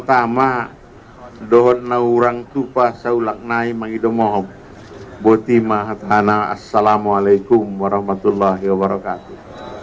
tamak dohon nahurang tupa saulaknai mengidomohon botima hatana assalamualaikum warahmatullahi wabarakatuh